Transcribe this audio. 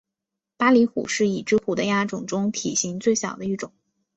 巴厘虎是已知虎的亚种中体型最小的一种。